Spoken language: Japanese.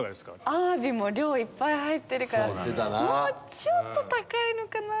アワビもいっぱい入ってるからもうちょっと高いのかな。